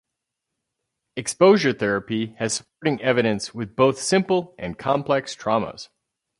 Exposure therapy has supporting evidence with both simple and complex traumas.